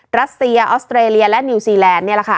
รัสเซียออสเตรเลียและนิวซีแลนด์นี่แหละค่ะ